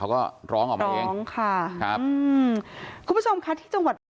เขาก็ร้องออกมาเองคุณผู้ชมคะที่จังหวัด